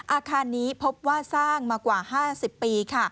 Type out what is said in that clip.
อาคารนี้พบว่าสร้างมากว่า๕๐ปี